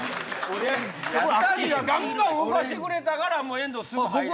２人がガンガン動かしたから遠藤すぐ入れた。